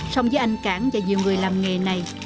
xong với anh cảng và nhiều người làm nghề này